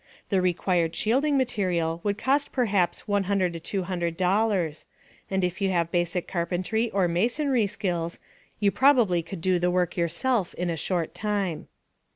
The required shielding material would cost perhaps $100 $200, and if you have basic carpentry or masonry skills you probably could do the work yourself in a short time.